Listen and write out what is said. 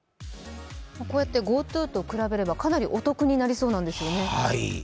ＧｏＴｏと比べればかなりお得になりそうなんですよね。